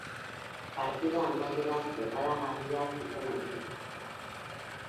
Partida amaiera zirraragarria zuten aurretik.